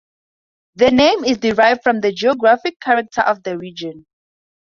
The name is derived from the geographic character of the region.